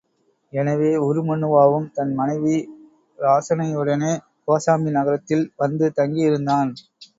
எனவே உருமண்ணுவாவும் தன் மனைவி இராசனையுடனே கோசாம்பி நகரத்தில் வந்து தங்கியிருந்தான்.